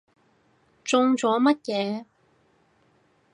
中咗乜嘢？